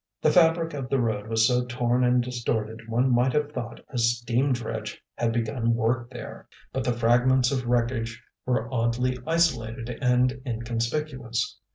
The fabric of the road was so torn and distorted one might have thought a steam dredge had begun work there, but the fragments of wreckage were oddly isolated and inconspicuous.